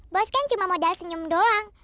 bos kan cuma modal senyum doang